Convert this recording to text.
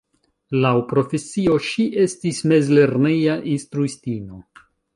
Laŭ profesio, ŝi estis mezlerneja instruistino.